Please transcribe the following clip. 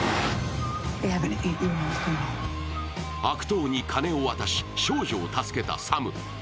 悪党に金を渡し、少女を助けたサム。